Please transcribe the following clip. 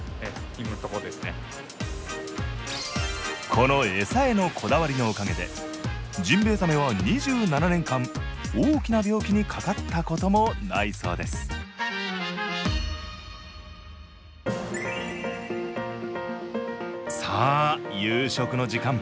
この餌へのこだわりのおかげでジンベエザメは２７年間大きな病気にかかったこともないそうですさあ夕食の時間。